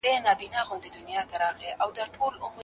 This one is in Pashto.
اقتصاد د نړیوالو بازارونو اغیز مطالعه کوي.